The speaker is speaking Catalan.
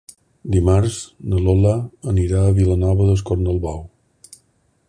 Dimarts na Lola anirà a Vilanova d'Escornalbou.